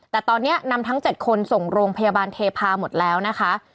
แต่ตอนนี้นำทั้ง๗คนส่งโรงพยาบาลเทพาหมดแล้วนะคะ